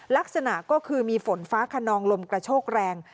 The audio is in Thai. ลักษณะก็คือมีฝนฟ้าขนองลมกระโชกแรง